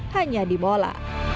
hanya di mola